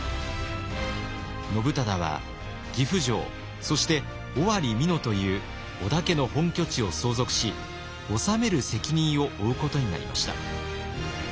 信忠は岐阜城そして尾張・美濃という織田家の本拠地を相続し治める責任を負うことになりました。